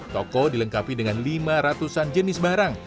toko dilengkapi dengan lima ratusan jenis barang